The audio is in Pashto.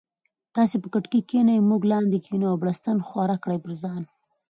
تاسي به کټکی کینې مونږ لاندې کینو او بړستن ښوره کړي په ځان